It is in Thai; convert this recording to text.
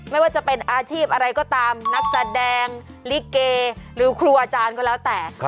ไม่ว่าจะเป็นอาชีพอะไรก็ตามนักแสดงลิเกหรือครูอาจารย์ก็แล้วแต่